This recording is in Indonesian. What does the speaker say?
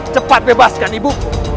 cepat bebaskan ibuku